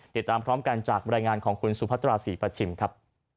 ติดตามพร้อมกันจากบรรยายงานของคุณสุพัตราศรีประชิมครับ